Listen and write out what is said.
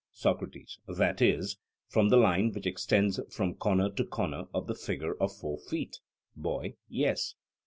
SOCRATES: That is, from the line which extends from corner to corner of the figure of four feet? BOY: Yes.